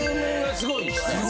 すごいですよ。